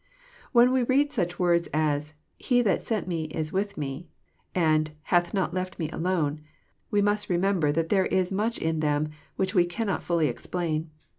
When we read such words as " he that sent Me is with Me," and hath not left Me alone," we must remember that there is much in them which we cannot fUUy explain.